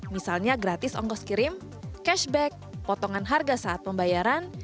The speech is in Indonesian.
misalnya gratis ongkos kirim cashback potongan harga saat pembayaran